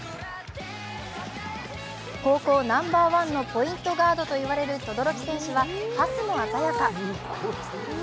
高校ナンバーワンのポイントガードと言われる轟選手はパスも鮮やか。